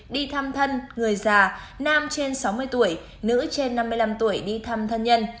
đi thăm thân người già nam trên sáu mươi tuổi nữ trên năm mươi năm tuổi đi thăm thân nhân